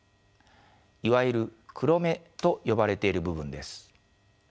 いわゆる黒目と呼ばれている部分です。